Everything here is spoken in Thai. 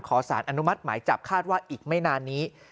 ขอสารอนุมัติหมายจับคาดว่าอีกไม่นานนี้